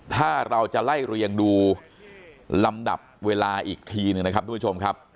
ถ้าเราจะไล่เรียงดูลำดับเวลาอีกทีหนึ่งนะครับทุกผู้ชมครับ